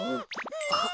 あっ！